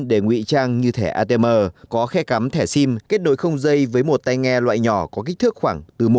để ngụy trang như thẻ atm có khe cắm thẻ sim kết nối không dây với một tài nghe loại nhỏ có kích thước khoảng một hai cm